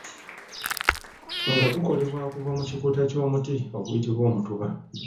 Nga gukolebwa okuva mu kikuta ky'omuti oguyititbwa omutuba.